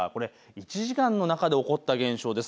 １時間の中で起こった現象です。